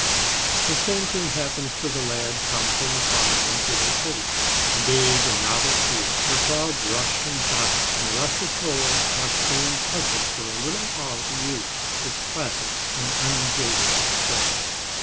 The same thing happens to the lad come from the farm into the city, a big and novel field, where crowds rush and jostle, and a rustic boy must stand puzzled for a little how to use his placid and unjaded strength.